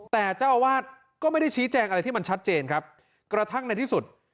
แต่เจ้าอาวาสก็ไม่ได้ชี้แจงอะไรที่มันชัดเจนครับกระทั่งในที่สุด